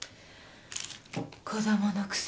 子供のくせに。